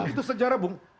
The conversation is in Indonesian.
itu sejarah bung